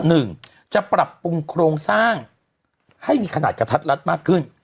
หนึ่งจะปรับปรุงโครงสร้างให้มีขนาดกระทัดรัดมากขึ้น